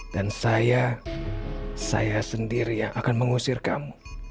dan saya saya sendiri yang akan mengusir kamu